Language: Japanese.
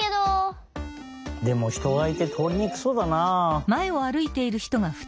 でもひとがいてとおりにくそうだなあ。